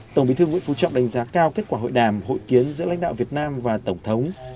tổng bí thư nguyễn phú trọng đánh giá cao kết quả hội đàm hội kiến giữa lãnh đạo việt nam và tổng thống